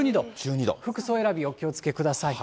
服装選び、お気をつけください。